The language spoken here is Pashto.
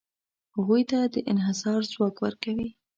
هغوی ته د انحصار ځواک ورکوي.